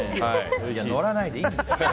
乗らないでいいんですよ。